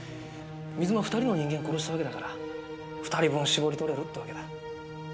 水間２人の人間を殺したわけだから２人分搾り取れるってわけだ。